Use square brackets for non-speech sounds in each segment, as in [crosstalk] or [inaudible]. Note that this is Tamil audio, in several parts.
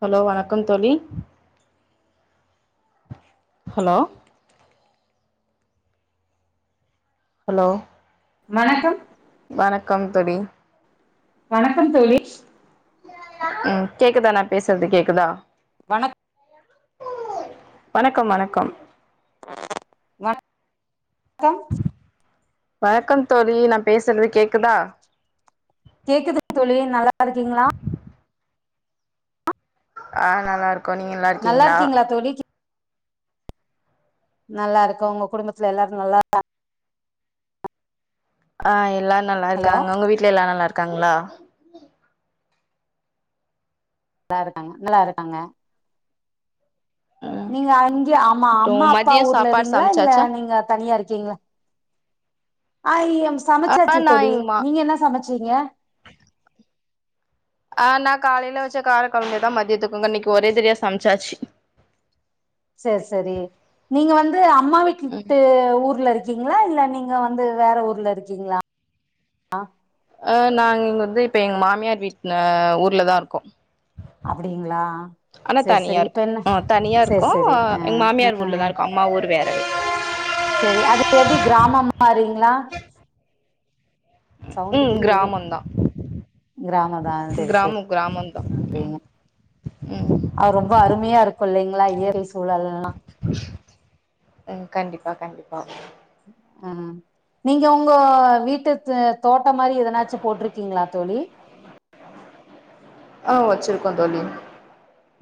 ஹலோ வணக்கம் தோழி ஹலோ ஹலோ வணக்கம் வணக்கம் தோழி வணக்கம் தோழி ம் கேக்குதா நா பேசுறது கேக்குதா வணக் வணக்கம் வணக்கம் வ க்கம் வணக்கம் தோழி நா பேசுறது கேக்குதா கேக்குதுக்கு தோழி நல்லா இருக்கீங்களா ஆ நல்லா இருக் நல்லா இருக்கீங்களா தோழி கீ நல்லா இருக்கு உங்க குடும்பத்துல எல்லாரு நல்லா ஆ எல்லார் நல்லா ஹலோ இருக்காங்க உங்க வீட்ல எல்லா நல்லா இருக் காங்களா நல்லா இருக்காங்க நல்லா இருக்காங்க ம் நீங்க அங்கயே ஆமா அப்றோ அம்மா அப்பா மதியோ ஊர்ல சாப்பாடு இருக்கீங்களா இல்ல சமச்சாச்சா நீங்க தனியா இருக்கீங்களா அய்யோ ஆ சமச்சாச்சு நா தோழி எங்கமா நீங்க என்ன சமச்சீங்க ஆ நா காலைல வெச்ச கார கொழம்புதா மதியத்துக்குங்க இன்னைக்கு ஒரே தடியா சமச்சாச்சு சேரி சேரி நீங்க வந்து அம் அம்மா வீட்டு ம் விட்டு ஊர்ல இருக் இருக்கீங்களா இல்ல நீங்க வந்து வேற ஊர்ல இருக்கீங்களா ஆ ஆ நாங்க இங்க வந்து இப்ப எங்க மாமியார் வீட்டல ஊர்லதா இருக்கோ அப்டிங்களா ஆனா சேரி தனியா சேரி இப்ப இருக்கு என்ன ஆ தனியா சேரி இருக்கோ சேரி ஆ எங்க மாமியார் ஊர்லதா இருக்கோ அம்மா ஊர் வே சேரி அது எப்டி கிராமம் மாறீங்களா ம் சவுண்டுக்கு இது எது கிராமந்தா கிராமந்தா சேரி சேரி கிராமோ கிராமந்தா சேரிங்க ம் அவ ரொம்ப அருமையா இருக்கு இல்லைங்களா இயற்கை சூழல்லா ம் கண்டிப்பா கண்டிப்பா ஆ நீங்க உங்க வீட்டு தோட்டோ மாரி எதனாச்சு போட்ருக்கீங்களா தோழி ஆ வெச்சுருக்கோந் தோழி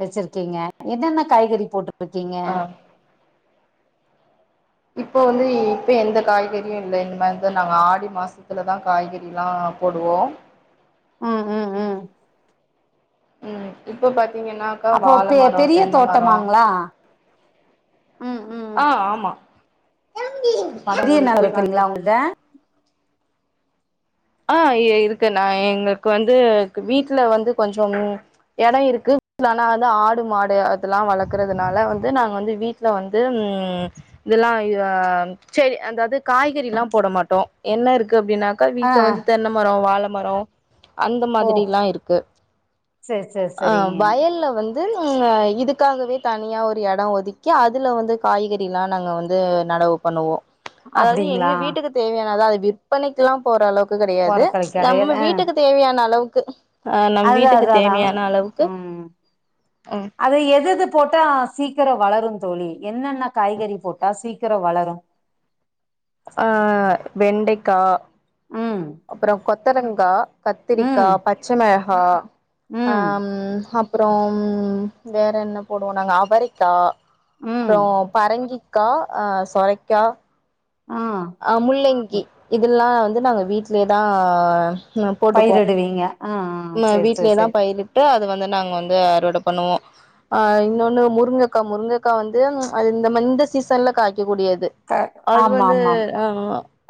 வெச்சுருக்கீங்க என்னென்ன காய்கறி போட்டு ருக்கீங்க ஆ இப்போ வந்து இப்ப எந்த காய்கறியு இல்லைங் இந்த மாரிந்த நாங்க ஆடி மாசத்துலதா காய்கறி எல்லா போடுவோ ம் ம் ம் ம் இப்ப பாத் அப்போ பெ பெரிய தோட்டமாங்களா ம் ம் ஆ [unintelligible] பெரிய ஓடுது நகர் போய் இருக்குல்லீங்களா பாருங்க உங்கள்ட்ட ஆ இருக்கு நா எங்களுக்கு வந்து வீட்ல வந்து கொஞ்ச எடம் இருக்கு ஆனா வந்து ஆடு மாடு அதெல்லா வளக்கறதுனால வந்து நாங்க வந்து வீட்ல வந்து ம் இதெல்லா சரி அதாது காய்கறி எல்லா போட மாட்டோ என்ன இருக்கு அப்டின்னாக்கா ஆ இத ஆ. வந்து தென்ன மர வாழ மரோ அந்த ஓ மாதிரி எல்லா இருக்கு செரி செரி ஆ செரிங்க வயல்ல வந்து ம் இதுக்காகவே தனியா ஒரு எடம் ஒதுக்கி அதுல வந்து காய்கறி எல்லா நாங்க வந்து நடவு பண்ணுவோ அதாது எங்க அப்டிங்களா வீட்டுக்கு தேவையானதா அது விற்பனைக்கு எல்லா போற அளவுக் து கெடையாது ஓரக்கொலைக்கு அடையாது நம்ம ஆ வீட்டுக்கு தேவையான அளவுக்கு [unintelligible] ஆ நம் அதுதா வீட்டுக்கு அதுதா அதா தேவையான அளவுக்கு ம் அது எதுது போட்டா சீக்கர வளரு தோழி என்னென்ன காய்கறி போட்டா சீக்கர வளரும் ஆ வெண்டைக்கா ம் அப்பறம் கொத்தரங்கா கத்திரிக்கா ம் பச்ச மிள ஆ ம் ஆம் ஹம் அப்பறம் வேற என்ன போடுவோ நாங்க அவரிக்கா ம் அப்பற பரங்கிக் க்கா ஆ சொரைக்கா ஆ ஆ முள்ளிங் இதெல்லா வந்து நாங்க வீட்லயேதா ஆ அ போட்டுப்போ பயிரிடுவீங்க ஆ ஆ ம் சேரி சேரி வீட்லயேதா சேரி பயிரிட்டு அது வந் இத நாங்க வந்து அறுவட பண்ணுவோ ஆ இன்னொன்னு முருங்கக்கா முருங்கக்கா வந்து ச் இந்தமாரி இந்த சீசன்ல காய் க்கூடியது க அது ஆமா வந்து ஆமாம் உ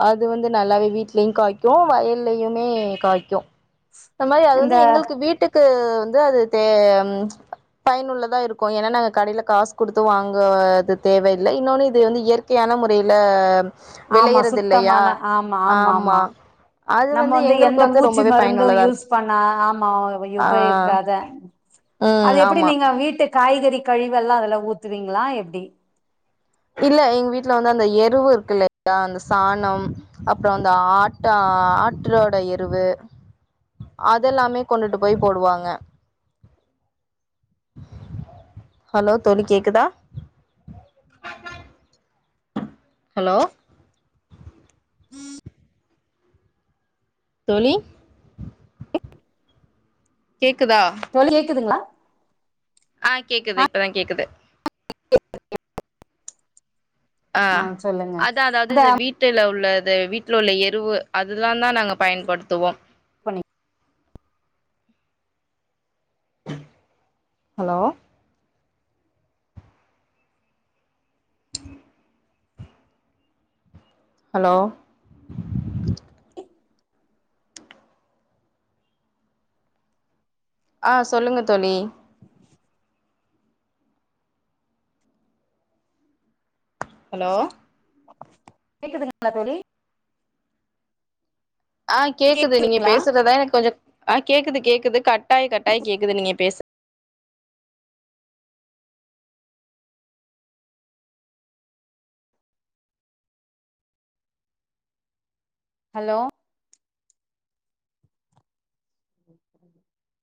அது வந்து நல்லாவே வீட்லயு காய்க்கும் வயல்லயுமே காய்க்கும் இந்த மாரி அது வந்து எங்களுக்கு வீட்டுக்கு அது வந்து அது தே பயனுள்ளதா இருக்கு ஏன்னா நாங்க கடைல காசு கொடுத்து வாங்குவது தேவையில்ல இன்னொன்னு இது வந்து இயற்கையான முறையில ஆம்மா விளையறது இல்லையா சுத்தமான ஆம்மா ஆம்மா ஆமா ஆம்மா அது நம்ம வந்து எங்களுக்கு எந்த பூச்சி ரொம்பவே மருந்து பயனுள்ளதா யூஸ் இருக்கு பண்ணா ஆமா ஆ உபயோக்காத ம் அது எப்டி ஆமா நீங்க வீட்டுக்கு காய்கறி கழிவெல்லா அதுல ஊத்துவீங்களா எப்டி இல்ல எங்க வீட்டுல வந்து அந்த எருவு இருக்கு இல்லையா அந்த சாணம் அப்புறோ அந்த ஆட்டா ஆட்ரோட எருவு அதெல்லாமே கொண்டுட்டு போய் போடுவாங்க ஹலோ தோலி கேக்குதா ஹலோ தோளி கேக்குதா [inaudible] தோளி கேக்குதுங்களா ஆ கேக்குது இப்பதா கேக்குது [inaudible] அ ஆ சொல்லுங்க அத்தா அதாவது அத இந்த வீட்டுல உள்ள இந்த வீட்ல உள்ள எருவு அதலா தா நாங்க பயன்படுத்துவோ கொனி [inaudible] ஹலோ [inaudible] ஹலோ ஆ சொல்லுங்க தோலி ஹலோ கேக்குதுங்களா தோலி ஆ கேக்குது நீங்க கேக்குதுங்களா பேசுறதா எனக்கு கொஞ்சோ ஆ கேக்குது கேக்குது கட் கட்டாயி கட்டாயி கேக்குது நீங்க பேசு ஹலோ உ [inaudible]